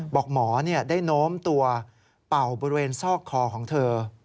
บอกหมอได้โน้มตัวเป่าบริเวณซอกคอของเธอ